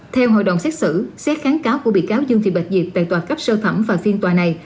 theo hội đồng xét xử xét kháng cáo của bị cáo dương thị bạch diệp tại tòa cấp sơ thẩm và phiên tòa này